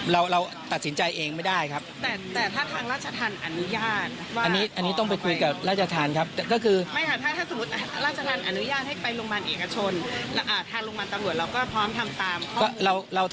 มันได้ร้องขออะไรเป็นพิเศษไหมคะเช่นอาหารที่ชื่นชอบหรือเครื่องดินอะไร